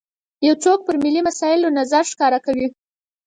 یو څوک پر ملي مسایلو نظر ښکاره کوي.